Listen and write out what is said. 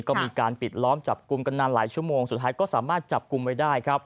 ก็มีการปิดล้อมจับกลุ่มกันนานหลายชั่วโมงสุดท้ายก็สามารถจับกลุ่มไว้ได้ครับ